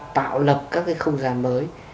tạo lập các cái không gian mới